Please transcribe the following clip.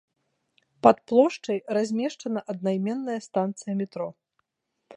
Пад плошчай размешчана аднайменная станцыя метро.